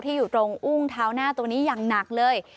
อยู่ตรงอุ้งเท้าหน้าตัวนี้อย่างหนักเลย